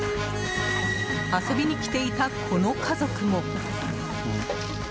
遊びに来ていたこの家族も。